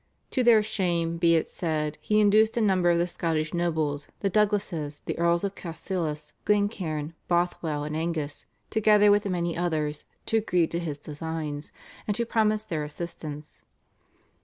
To their shame be it said he induced a number of the Scottish nobles, the Douglasses, the Earls of Cassilis, Glencairn, Bothwell, and Angus, together with many others, to agree to his designs and to promise their assistance.